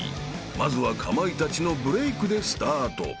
［まずはかまいたちのブレイクでスタート］